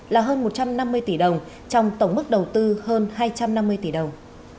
là hơn một trăm năm mươi tỷ đồng trong tổng mức đầu tư hơn hai trăm năm mươi tỷ đồng